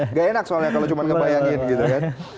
nggak enak soalnya kalau cuma ngebayangin gitu kan